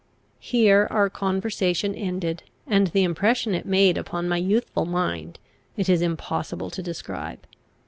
Here our conversation ended; and the impression it made upon my youthful mind it is impossible to describe.